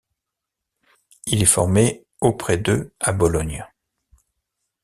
Il est formé auprès d'eux à Bologne.